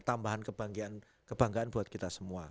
tambahan kebanggaan buat kita semua